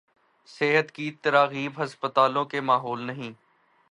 صحت کی تراغیب ہسپتالوں کے ماحول نہیں